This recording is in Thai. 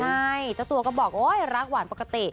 ใช่เจ้าตัวก็บอกโอ๊ยรักหวานปกติ